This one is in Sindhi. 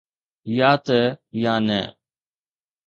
يا ته يا نه.